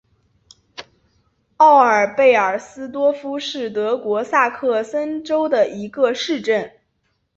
奥尔贝尔斯多夫是德国萨克森州的一个市镇。